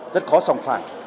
rất khó sòng phản